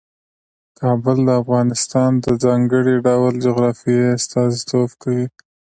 کابل د افغانستان د ځانګړي ډول جغرافیه استازیتوب کوي.